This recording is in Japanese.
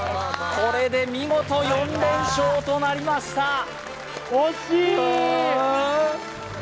これで見事４連勝となりました